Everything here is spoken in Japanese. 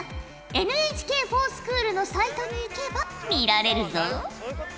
ＮＨＫｆｏｒＳｃｈｏｏｌのサイトに行けば見られるぞ。